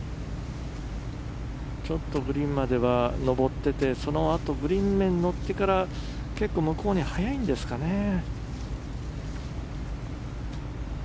ちょっとグリーンまでは上っててそのあとグリーン面に乗ってから結構、向こうに速いんですかね。